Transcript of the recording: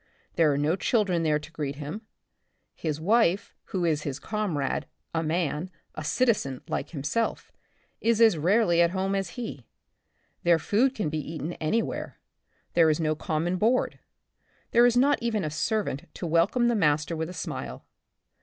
There are no children there to greet him, his wife, who is his comrade, a man, a citizen like himself, is as rarely at home as he. Their food can be eaten anywhere — there is no common board ; there is not even a servant to welcome the master with a siiiile.